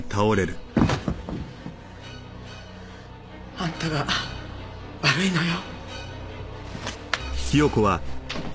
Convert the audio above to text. あんたが悪いのよ。